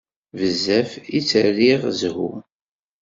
Bezzaf i tt-rriɣ zzhu.